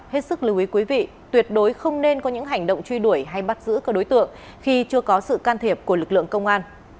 hết sức lưu ý quý vị tuyệt đối không nên có những hành động truy đuổi hay bắt giữ các đối tượng khi chưa có sự can thiệp của lực lượng công an